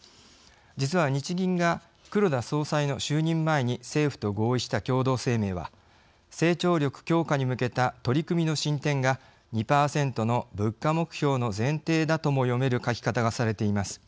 実は、日銀が黒田総裁の就任前に政府と合意した共同声明は成長力強化に向けた取り組みの進展が２％の物価目標の前提だとも読める書き方がされています。